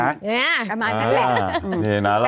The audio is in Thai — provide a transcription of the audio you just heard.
อย่างนี้ประมาณนั้นแหละ